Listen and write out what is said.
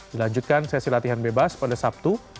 dilanjutkan sesi latihan bebas pada sabtu